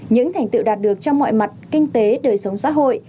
những thành tựu đạt được trong mọi mặt kinh tế đời sống xã hội